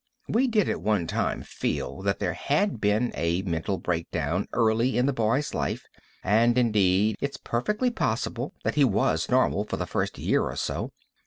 We did at one time feel that there had been a mental breakdown early in the boy's life, and, indeed, it's perfectly possible that he was normal for the first year or so.